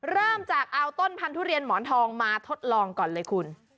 เริ่มจากเอาต้นพันธุเรียนหมอนทองมาทดลองก่อนเลยคุณ